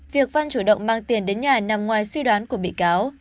việc văn chủ động mang tiền đến nhà nằm ngoài suy đoán của bị cáo